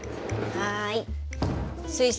はい。